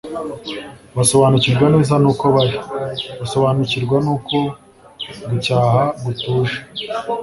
Basobanukirwa neza n'uko bari. Basobanukimva n'uko gucyaha gutuje.